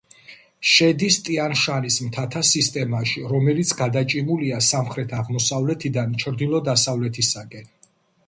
შედის ტიან-შანის მთათა სისტემაში, რომელიც გადაჭიმულია სამხრეთ-აღმოსავლეთიდან ჩრდილო-დასავლეთისაკენ.